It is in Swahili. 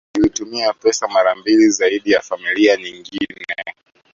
Zilitumia pesa mara mbili zaidi ya familia nyingine